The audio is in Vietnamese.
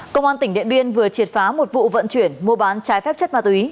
công an tỉnh điện biên vừa triệt phá một vụ vận chuyển mua bán trái phép chất ma túy